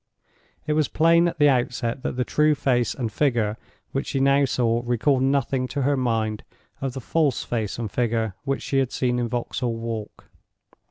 It was plain at the outset that the true face and figure which she now saw recalled nothing to her mind of the false face and figure which she had seen in Vauxhall Walk.